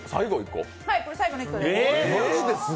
これ最後の１個です。